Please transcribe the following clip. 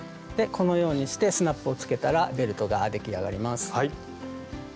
このようにしてスナップをつけたらベルトが出来上がります。